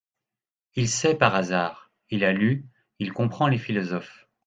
Il sait, par hasard ! Il a lu ; il comprend les philosophes.